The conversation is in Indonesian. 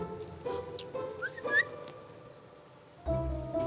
awak kira segede gentong gitu